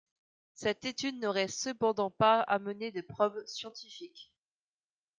Cette étude n'aurait cependant pas amené de preuve scientifique.